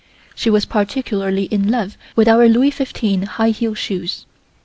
She was particularly in love with our Louis XV high heel shoes.